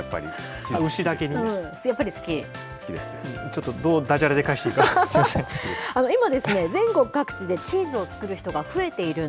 ちょっとどうだじゃれで返していいか、すみません。